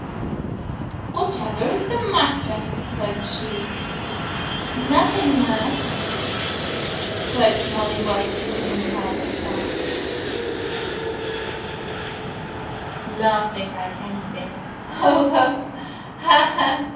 "Whatever is the matter V* quoth she. "Nothing, 'm," quoth Molly Whuppie from inside the sack, laughing like anything. " Ho, ho ! Ha, ha